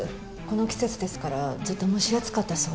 この季節ですからずっと蒸し暑かったそうで。